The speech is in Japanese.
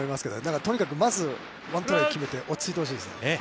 とにかく、まず１トライを決めて落ち着いてほしいですね。